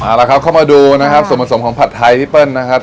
เอาละครับเข้ามาดูนะครับส่วนผสมของผัดไทยพี่เปิ้ลนะครับ